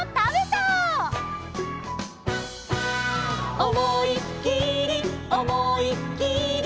「おもいっきりおもいっきり」